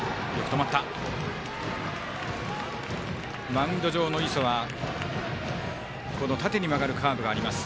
マウンド上の磯は縦に曲がるカーブがあります。